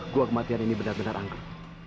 guaokmatian ini benar benar anggun